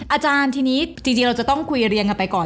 อาจารย์ทีนี้จริงเราจะต้องคุยเรียงกันไปก่อน